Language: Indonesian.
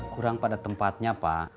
kurang pada tempatnya pak